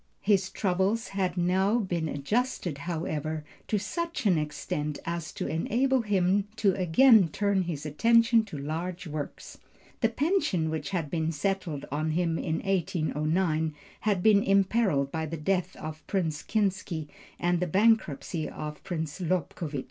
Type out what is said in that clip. His troubles had now been adjusted, however, to such an extent as to enable him to again turn his attention to large works. The pension which had been settled on him in 1809 had been imperilled by the death of Prince Kinsky and the bankruptcy of Prince Lobkowitz.